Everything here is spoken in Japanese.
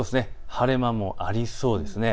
晴れ間もありそうですね。